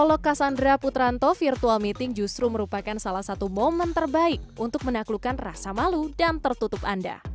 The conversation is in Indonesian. halo cassandra putranto virtual meeting justru merupakan salah satu momen terbaik untuk menaklukkan rasa malu dan tertutup anda